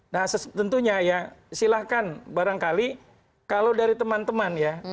nah tentunya ya silahkan barangkali kalau dari teman teman ya